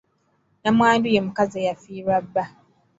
Nnamwandu ye mukazi eyafiirwa bba.